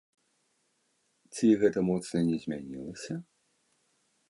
Ці гэта моцна не змянілася?